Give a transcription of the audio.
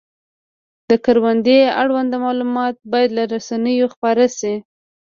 د کروندې اړوند معلومات باید له رسنیو خپاره شي.